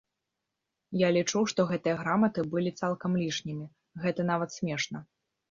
Я лічу, што гэтыя граматы былі цалкам лішнімі, гэта нават смешна.